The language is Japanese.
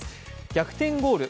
逆転ゴール